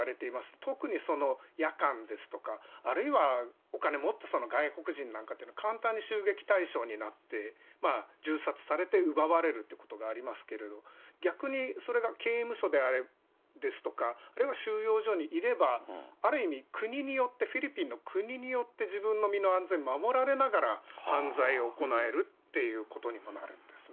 特に夜間ですとか、あるいは、お金持ってそうな外国人なんかっていうのは、簡単に襲撃対象になって、銃殺されて奪われるってことがありますけれども、逆に、それが刑務所ですとか、あるいは収容所にいれば、ある意味、国によって、フィリピンの国によって、自分の身の安全守られながら、犯罪を行えるということにもなるんですね。